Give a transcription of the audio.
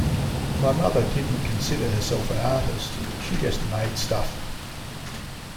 My mother didn't consider herself an artist, she just made stuff.